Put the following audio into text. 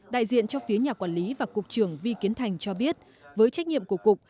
đại diện cho phía nhà quản lý và cục trưởng vi kiến thành cho biết với trách nhiệm của cục